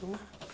tuh enggak tahu